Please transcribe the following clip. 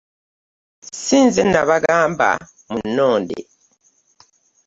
Si nze nabagamba munnonde.